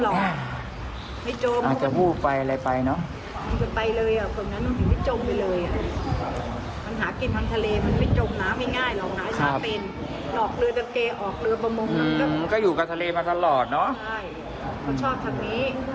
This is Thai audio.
เขาชอบแบบนี้